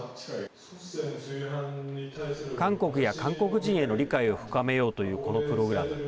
韓国や韓国人への理解を深めようというこのプログラム。